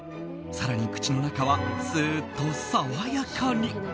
更に口の中はスーッと爽やかに。